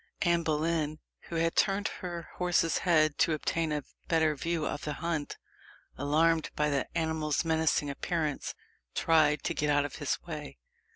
Anne Boleyn, who had turned her horse's head to obtain a better view of the hunt, alarmed by the animal's menacing appearance, tried to get out of his way.